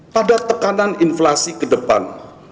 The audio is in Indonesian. pada tekanan inflasi ke depan